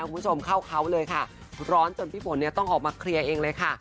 คุณผู้ชมเข้าเขาเลยค่ะร้อนจนพี่ฝนเนี่ยต้องออกมาเคลียร์เองเลยค่ะ